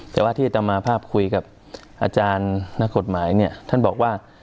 แต่ว่าที่อัตมาภาพคุยกับอาจารย์นักกฎหมายเนี่ยท่านบอกว่า